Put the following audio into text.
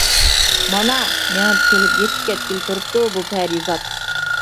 مانا، مېڭىپ كېلىپ يېتىپ كەتكىلى تۇرۇپتۇ بۇ پەرىزات.